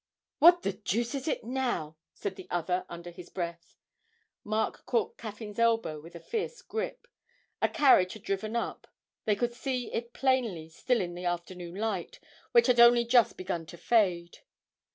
'What the deuce is it now?' said the other under his breath. Mark caught Caffyn's elbow with a fierce grip; a carriage had driven up; they could see it plainly still in the afternoon light, which had only just begun to fade.